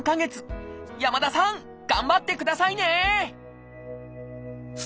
山田さん頑張ってくださいね！